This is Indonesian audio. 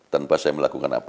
tanpa saya melakukan apa